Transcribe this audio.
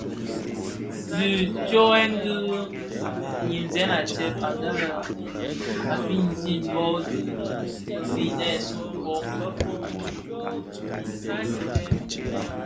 Di tsyoghèn bi nynzèn a tsèb anë a binzi bo dhi binèsun fomin.